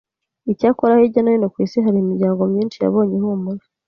Icyakora, hirya no hino ku isi hari imiryango myinshi yabonye ihumure